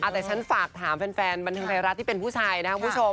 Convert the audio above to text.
แต่ฉันฝากถามแฟนบันทึงไทยรัฐที่เป็นผู้ชายนะครับคุณผู้ชม